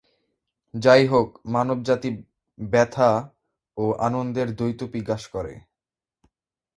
যাইহোক, মানবজাতি ব্যথা ও আনন্দের দ্বৈত বিকাশ করে।